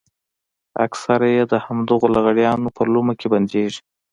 اکثره يې د همدغو لغړیانو په لومه کې بندېږي.